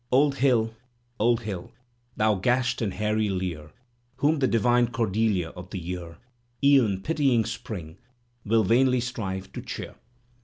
Old Hill! old hill! thou gashed and hairy Lear Whom the divine Cordelia of the year. E'en pitying Spring, will vainly strive to cheer.